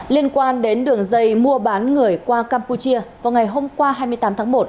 liên quan đến đường dây mua bán người qua campuchia vào ngày hôm qua hai mươi tám tháng một